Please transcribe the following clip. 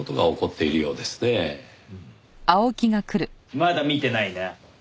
まだ見てないな？